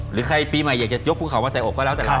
หรือใครปีใหม่อยากจะยกภูเขามาใส่อกก็แล้วแต่เรา